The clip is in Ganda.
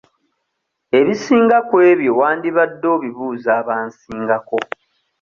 Ebisinga ku ebyo wandibadde obibuuza abansingako.